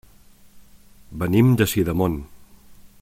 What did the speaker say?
Venim de Sidamon.